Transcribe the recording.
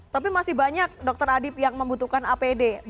tapi masih banyak dokter adib yang membutuhkan apd